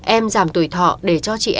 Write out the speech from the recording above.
em giảm tuổi thọ để cho chị em